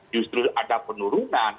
justru ada penurunan